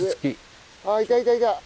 あいたいたいた。